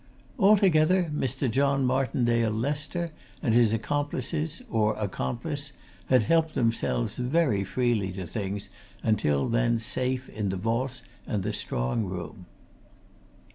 Altogether, Mr. John Martindale Lester and his accomplices, or accomplice, had helped themselves very freely to things until then safe in the vaults and strong room."